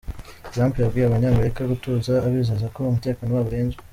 Trump yabwiye abanyamerika gutuza abizeza ko umutekano wabo urinzwe.